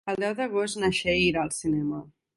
El deu d'agost na Txell irà al cinema.